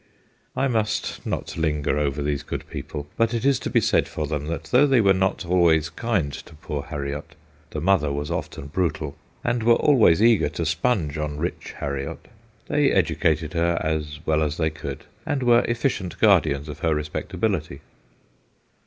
I must not linger over these good people, but it is to be said for them that though they were not always kind to poor Harriot the mother was often brutal and were always eager to sponge on rich Harriot, they educated her as well as they could, and were efficient guardians of her respectability.